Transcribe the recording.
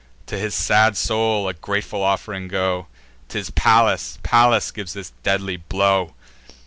To his sad soul a grateful off'ring go! 'Tis Pallas, Pallas gives this deadly blow."